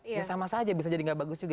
ya sama saja bisa jadi nggak bagus juga